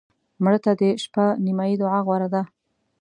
مړه ته د شپه نیمایي دعا غوره ده